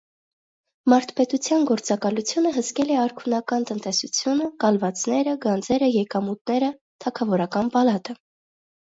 Մարդպետության գործակալությունը հսկել է արքունական տնտեսությունը, կալվածները, գանձերը, եկամուտները, թագավորի պալատը։